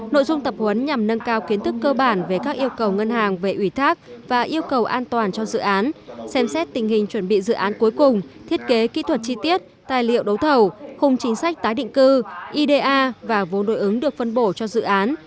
nội dung tập huấn nhằm nâng cao kiến thức cơ bản về các yêu cầu ngân hàng về ủy thác và yêu cầu an toàn cho dự án xem xét tình hình chuẩn bị dự án cuối cùng thiết kế kỹ thuật chi tiết tài liệu đấu thầu khung chính sách tái định cư ida và vốn đối ứng được phân bổ cho dự án